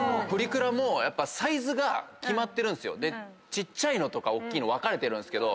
ちっちゃいのとかおっきいの分かれてるんすけど。